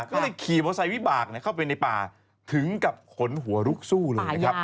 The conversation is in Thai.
ก็เลยขี่มอไซค์วิบากเข้าไปในป่าถึงกับขนหัวลุกสู้เลยนะครับ